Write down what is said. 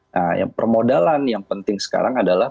nah yang permodalan yang penting sekarang adalah